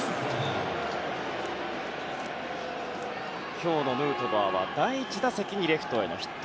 今日のヌートバーは第１打席でレフトへのヒット。